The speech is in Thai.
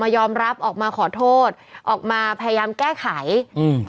ยอมรับออกมาขอโทษออกมาพยายามแก้ไขอืม